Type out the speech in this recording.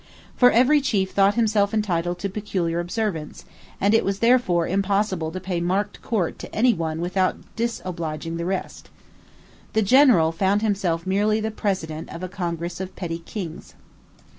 For every chief thought himself entitled to peculiar observance; and it was therefore impossible to pay marked court to any one without disobliging the rest. The general found himself merely the president of a congress of petty kings.